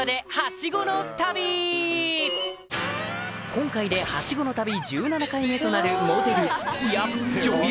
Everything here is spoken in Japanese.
今回でハシゴの旅１７回目となるモデルいや女優